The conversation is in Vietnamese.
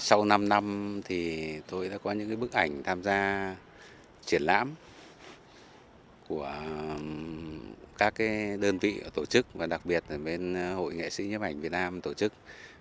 sau năm năm tôi đã có những bức ảnh tham gia triển lãm của các đơn vị tổ chức và đặc biệt là bên hội nghệ sĩ nhấp ảnh việt nam tổ chức